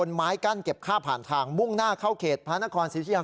ไม้กั้นเก็บค่าผ่านทางมุ่งหน้าเข้าเขตพระนครสิทธิยา